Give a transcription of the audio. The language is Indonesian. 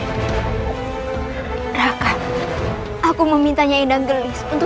hahaha aku memintanya endang gelis untuk